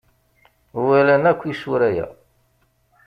Walan akk isura-a.